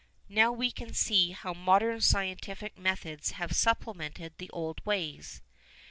Now we can see how modern scientific methods have supplemented the old ways.